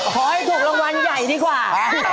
ขอให้ถูกรางวัลใหญ่ดีกว่า